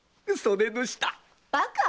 バカ！